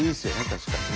確かにね。